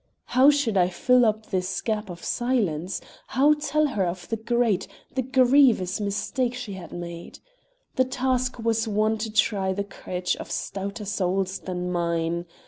How should I fill up this gap of silence? How tell her of the great, the grievous mistake she had made? The task was one to try the courage of stouter souls than mine.